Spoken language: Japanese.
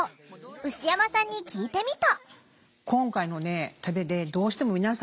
牛山さんに聞いてみた。